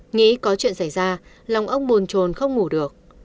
nghĩ có chuyện xảy ra lòng ông bùn trồn không ngủ được